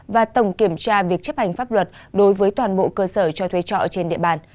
và tổng kiểm tra việc chấp hành pháp luật đối với toàn bộ cơ sở cho thuê trọ trên địa bàn